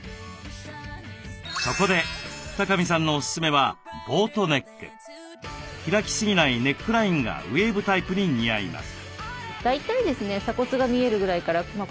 そこで二神さんのおすすめはボートネック。開きすぎないネックラインがウエーブタイプに似合います。